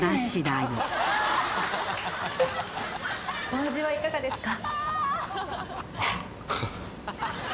お味はいかがですか？